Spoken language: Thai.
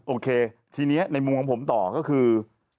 โอเคทีนี้ในมุมของผมต่อก็คือ